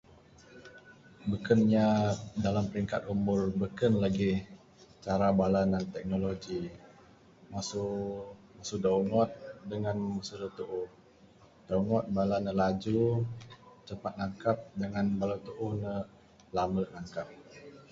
Beken inya dalam peringkat umur beken lagih cara bala ne minan teknologi...masu...masu da ungod dangan masu da tuuh...da ungod bala ne laju, cepat nangkap dangan bala da tuuh ne lame nangkap.